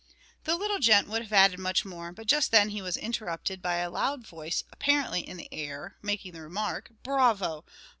The little gent would have added much more; but just then he was interrupted by a loud voice, apparently in the air, making the remark "Bravo!